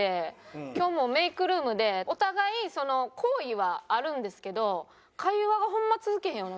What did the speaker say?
今日もメイクルームでお互い好意はあるんですけど会話がホンマ続けへんよな？